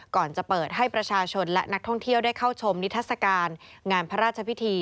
ก่อนจะเปิดให้ประชาชนและนักท่องเที่ยวได้เข้าชมนิทัศกาลงานพระราชพิธี